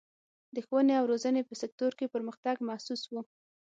د ښوونې او روزنې په سکتور کې پرمختګ محسوس و.